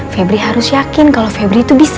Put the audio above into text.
febri harus yakin kalau febri itu bisa